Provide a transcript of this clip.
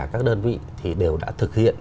các đơn vị thì đều đã thực hiện